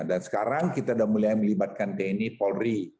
dan sekarang kita sudah mulai melibatkan tni polri